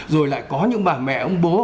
rồi lại có những bà mẹ ông bố